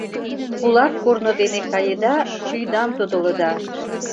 КУЛАК КОРНО ДЕНЕ КАЕДА — ШӰЙДАМ ТОДЫЛЫДА